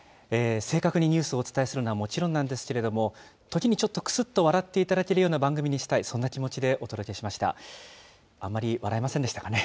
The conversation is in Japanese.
正確にニュースをお伝えするのはもちろんなんですけれども、時にちょっとくすって笑っていただけるような番組にしたい、そんな気持ちでお届けしました。